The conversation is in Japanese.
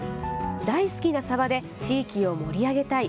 大好きなサバで地域を盛り上げたい。